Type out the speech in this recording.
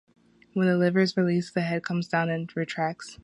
When the lever is released, the head comes down and retracts.